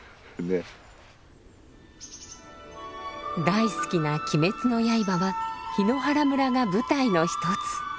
大好きな「鬼滅の刃」は檜原村が舞台の一つ。